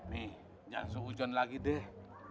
mi jangan suhujuan lagi deh